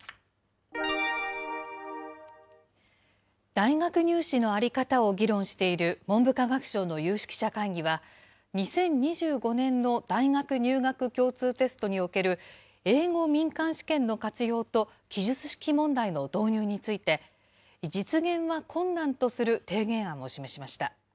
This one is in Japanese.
大学入試の在り方を議論している文部科学省の有識者会議は、２０２５年の大学入学共通テストにおける英語民間試験の活用と、記述式問題の導入について、実現は困難とする提言案を示しました。